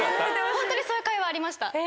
ホントにそういう会話ありました。